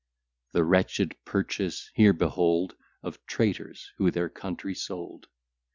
The wretched purchase here behold Of traitors, who their country sold.